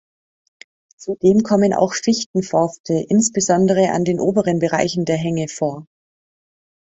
Zudem kommen auch Fichtenforste, insbesondere an den oberen Bereichen der Hänge vor.